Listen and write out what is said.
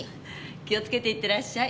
気をつけていってらっしゃい。